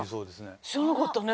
知らなかったね。